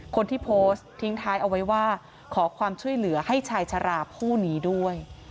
คนที่โพสต์ทิ้งท้ายเอาไว้ว่าขอความช่วยเหลือให้ชายชะลาผู้นี้ด้วย